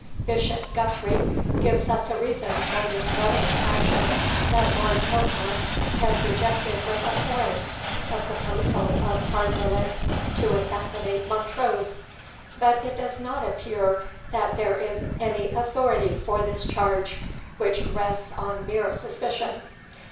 Bishop Guthrie gives us a reason for this villainous action, that Lord Kilpont had rejected with abhorrence a proposal of Ardvoirlich to assassinate Montrose. But it does not appear that there is any authority for this charge, which rests on mere suspicion.